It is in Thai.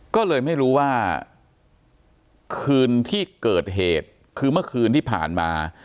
ก็เลยไม่รู้ว่าคืนที่เกิดเหตุคือเมื่อคืนที่ผ่านมา